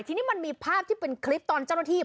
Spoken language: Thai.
ทีนี้มันมีภาพที่เป็นคลิปตอนเจ้าหน้าที่